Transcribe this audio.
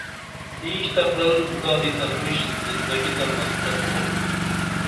اینچ تہ پرل زادی تہ پُش زندگی تہ مقصد تُھوپ